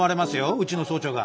うちの総長が！